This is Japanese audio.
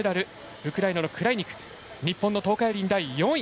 ウクライナのクライニク日本の東海林大、４位。